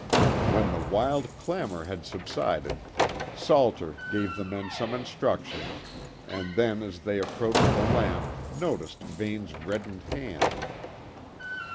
When the wild clamour had subsided, Salter gave the men some instructions, and then as they approached the lamp noticed Vane's reddened hand.